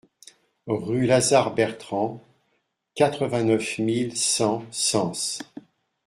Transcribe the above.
Rue Lazare Bertrand, quatre-vingt-neuf mille cent Sens